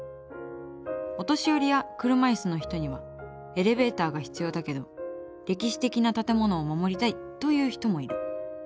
お年寄りや車いすの人にはエレベーターが必要だけど歴史的な建物を守りたいという人もいる。